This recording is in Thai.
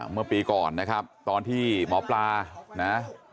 เมื่อปีก่อนนะครับตอนที่หมอปลานะ